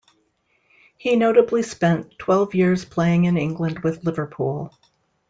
He notably spent twelve years playing in England with Liverpool.